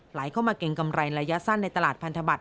ไหลเข้ามาเกรงกำไรระยะสั้นในตลาดพันธบัต